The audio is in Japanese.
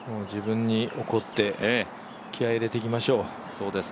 自分に怒って気合いを入れていきましょう。